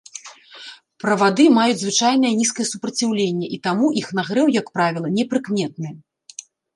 Правады маюць звычайнае нізкае супраціўленне і таму іх нагрэў, як правіла, непрыкметны.